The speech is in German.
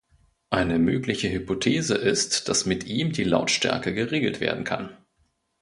Eine mögliche Hypothese ist, dass mit ihm die Lautstärke geregelt werden kann.